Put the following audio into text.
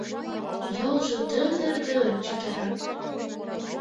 Йолжо дыр-дыр-дыр чытыра.